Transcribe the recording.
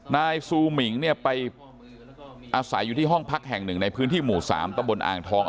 นายซูมิงเนี่ยไปอาศัยอยู่ที่ห้องพักแห่งหนึ่งในพื้นที่หมู่๓ตะบนอ่างทอง